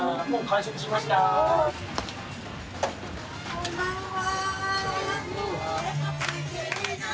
こんばんは。